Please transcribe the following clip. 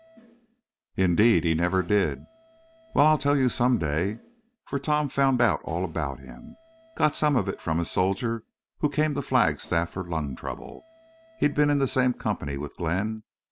"Indeed he never did!" "Well, I'll tell you some day. For Tom found out all about him. Got some of it from a soldier who came to Flagstaff for lung trouble. He'd been in the same company with Glenn.